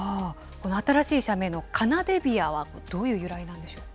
新しい社名のカナデビアは、どういう由来なんでしょうか。